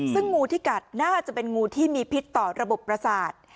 ซึ่งงูที่กัดน่าจะเป็นงูที่มีพิษต่อระบบประสาท